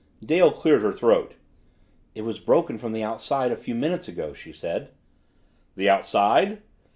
Dale cleared her throat. "It was broken from the outside a few minutes ago," she said. "The outside?"